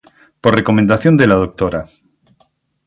Por recomendación de la Dra.